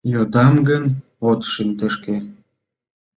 — Йодам гын, от шыдешке?